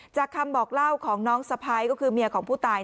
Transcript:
คำบอกเล่าของน้องสะพ้ายก็คือเมียของผู้ตาย